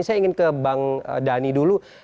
saya ingin ke bang dhani dulu